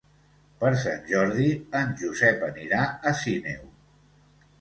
Per Sant Jordi en Josep anirà a Sineu.